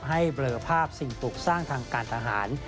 เบลอภาพสิ่งปลูกสร้างทางการทหาร